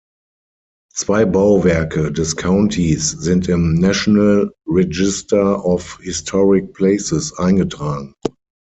Zwei Bauwerke des Countys sind im National Register of Historic Places eingetragen.